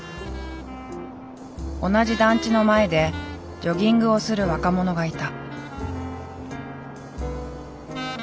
同じ団地の前でジョギングをする若者がいた。